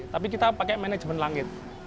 tapi kita pakai manajemen langit